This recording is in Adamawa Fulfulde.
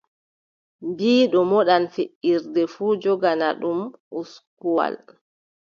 Biiɗo moɗan feʼirde fuu, jogana ɗum uskuwal.